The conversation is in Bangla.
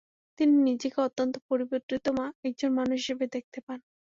তিনি নিজেকে অত্যন্ত পরিবর্তিত একজন মানুষ হিসেবে দেখতে পান।